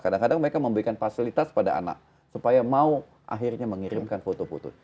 kadang kadang mereka memberikan fasilitas pada anak supaya mau akhirnya mengirimkan foto foto